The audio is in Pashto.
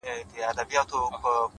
چي د ښـكلا خبري پټي ساتي،